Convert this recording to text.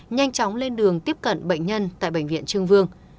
nhanh chóng lên đường tiếp cận bệnh nhân tại bệnh viện trương vương